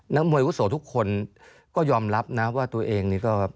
มวยอุโสทุกคนก็ยอมรับนะว่าตัวเองนี่ก็